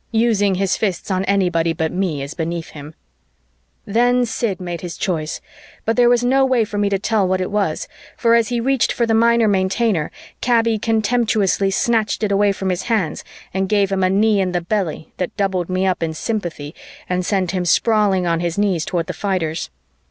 Using his fists on anybody but me is beneath him. Then Sid made his choice, but there was no way for me to tell what it was, for, as he reached for the Minor Maintainer, Kaby contemptuously snatched it away from his hands and gave him a knee in the belly that doubled me up in sympathy and sent him sprawling on his knees toward the fighters.